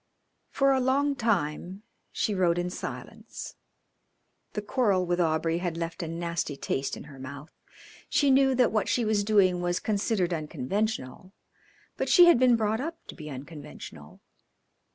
For a long time she rode in silence. The quarrel with Aubrey had left a nasty taste in her mouth. She knew that what she was doing was considered unconventional, but she had been brought up to be unconventional.